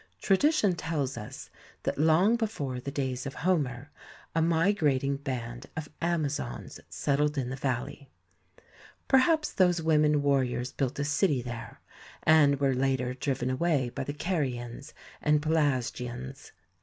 Tradition tells us that long before the days of Homer, a migrating band of Amazons settled in the valley. Perhaps those women warriors built a city there, and were later driven away by the Carians and Pelasgians.